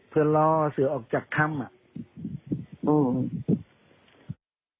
เพื่อล่อเสียออกจากค่ำอืม